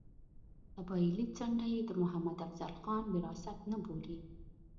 قبایلي څنډه یې د محمد افضل خان وراثت نه بولي.